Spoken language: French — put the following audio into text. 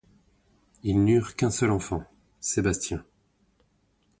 Ils n’eurent qu’un seul enfant, Sébastien.